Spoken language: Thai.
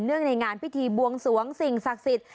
เนื่องในงานพิธีบวงสวงศิลป์สิงห์ศักดิ์สิทธิ์